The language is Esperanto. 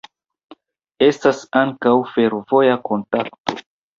Estas ankaŭ fervoja kontakto.